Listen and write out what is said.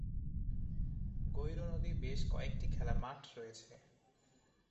গৌরনদী বেশ কয়েকটি খেলার মাঠ রয়েছে।